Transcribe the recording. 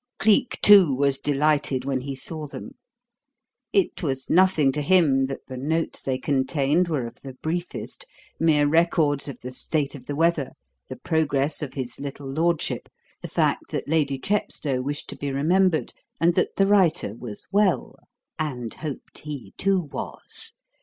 Cleek, too, was delighted when he saw them. It was nothing to him that the notes they contained were of the briefest mere records of the state of the weather, the progress of his little lordship, the fact that Lady Chepstow wished to be remembered and that the writer was well "and hoped he, too, was."